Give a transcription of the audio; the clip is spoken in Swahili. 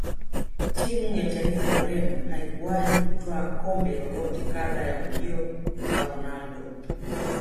timu ya taifa ya ureno haikuwahi kutwaa kombe lolote kabla ya ujio wa ronaldo